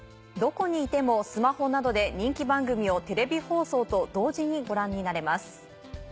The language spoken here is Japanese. どこにいてもスマホなどで人気番組をテレビ放送と同時にご覧になれます。